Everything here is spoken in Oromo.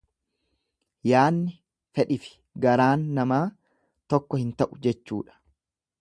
Yaanni, fedhifi garaan namaa tokko hin ta'u jechuudha.